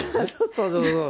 そうそうそうそう。